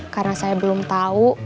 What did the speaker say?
karena saya belum tau